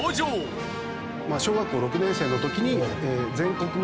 小学校６年生の時に。